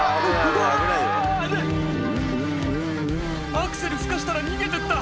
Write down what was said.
「アクセルふかしたら逃げてった」